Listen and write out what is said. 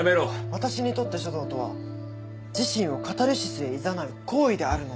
「私にとって書道とは自身をカタルシスへいざなう行為であるのだ」